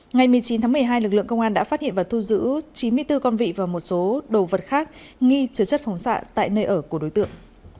ngày một mươi chín tháng một mươi hai lực lượng công an đã phát hiện và thu giữ chín mươi bốn con vị và một số đồ vật khác nghi chứa chất phóng xạ tại nơi ở của đối tượng